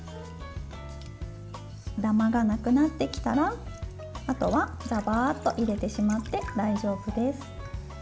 ダマがなくなってきたら、あとはザバーッと入れてしまって大丈夫です。